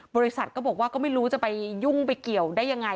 บริษัทก็บอกว่าก็ไม่รู้จะไปยุ่งไปเกี่ยวได้ยังไง